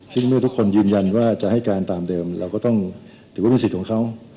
ที่ไม่ทุกคนยืนยันว่าจะให้การตามเดิมเราก็ต้องดึกว่๘๐๐สิทธิ์ของเขา